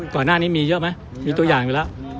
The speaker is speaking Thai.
ก่อนหน้านี้มีเยอะไหมมีตัวอย่างอยู่แล้ว